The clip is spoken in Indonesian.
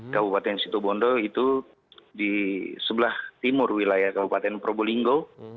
kabupaten situbondo itu di sebelah timur wilayah kabupaten probolinggo